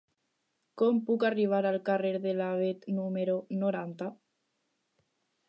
Com puc arribar al carrer de l'Avet número noranta?